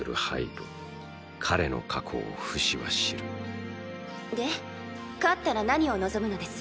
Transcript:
彼の過去をフシは知るで勝ったら何を望むのです。